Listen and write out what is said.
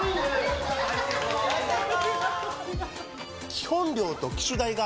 基本料と機種代が